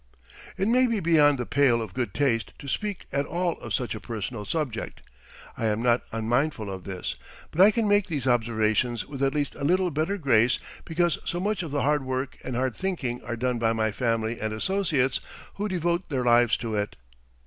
It may be beyond the pale of good taste to speak at all of such a personal subject I am not unmindful of this but I can make these observations with at least a little better grace because so much of the hard work and hard thinking are done by my family and associates, who devote their lives to it.